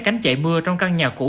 cảnh chạy mưa trong căn nhà cũ